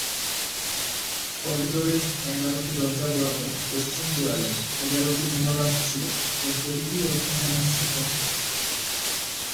করিডোরের এগারটি দরজা বরাবর পশ্চিম দেয়ালে এগারটি মিহরাব ছিল যার প্রতিটিই বর্তমানে ধ্বংসপ্রাপ্ত।